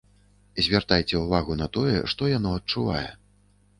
Звяртайце ўвагу на тое, што яно адчувае.